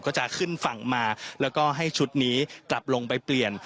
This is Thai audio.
ก็จะขึ้นฝั่งมาแล้วก็ให้ชุดนี้กลับลงไปเปลี่ยน